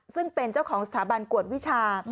ซึ่งเป็นเจ้าของสถาบันกวดวิชา